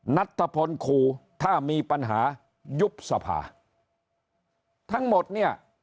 นัทธพลขู่ถ้ามีปัญหายุบสภาทั้งหมดเนี่ย